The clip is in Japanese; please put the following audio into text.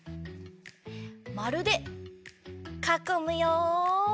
まるでかこむよ！